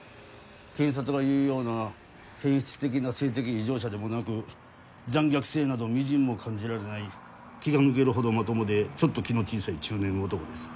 検察が言うような偏執的な性的異常者でもなく残虐性などみじんも感じられない気が抜けるほどまともでちょっと気の小さい中年男です。